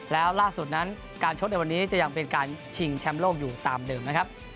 แล้วล่าสุดนั้นการชกในวันนี้จะยังเป็นการชิงแชมป์โลกอยู่ตามเดิมนะครับ